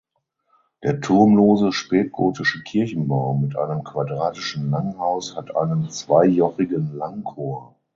Der turmlose spätgotische Kirchenbau mit einem quadratischen Langhaus hat einen zweijochigen Langchor.